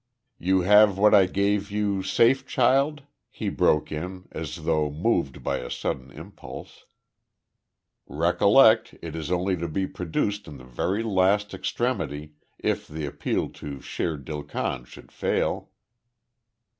"You have what I gave you safe, child?" he broke in, as though moved by a sudden impulse. "Recollect, it is only to be produced in the very last extremity, if the appeal to Shere Dil Khan should fail."